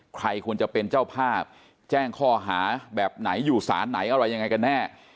ใครควรจะเป็นเจ้าภาพแจ้งข้อหาแบบไหนอยู่สารไหนอะไรยังไงกันแน่